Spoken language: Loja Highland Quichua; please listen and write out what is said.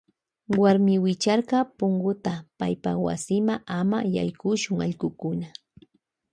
Wuarmi wicharka punkuta paypa wasima ama yaykuchun allkukuna.